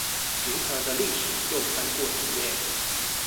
銀河的歷史又翻過一夜